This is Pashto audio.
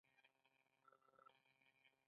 د کوچنیانو روغتیا ته باید ډېر پام وشي.